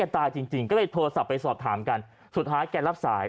ถามกันสุดท้ายแกรับสาย